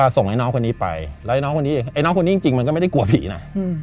ส่งไอ้น้องคนนี้ไปไอ้น้องคนนี้จริงมันก็ไม่ได้กลัวผีนะ